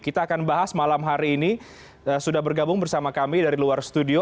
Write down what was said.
kita akan bahas malam hari ini sudah bergabung bersama kami dari luar studio